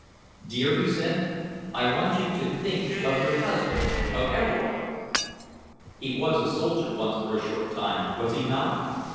"Dear," he said, "I want you to think of your husband of Everard. He was a soldier once for a short time, was he not?